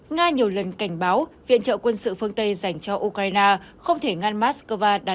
nga nhiều lần cảnh báo viện trợ quân sự phương tây dành cho ukraine không thể ngăn moscow đạt